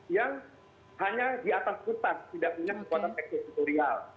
yang hanya di atas kutas tidak punya sebuah teks tutorial